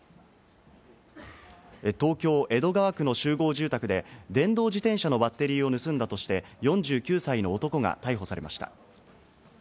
東京・江戸川区の集合住宅で電動自転車のバッテリーを盗んだとして、４９歳の男が逮捕されました。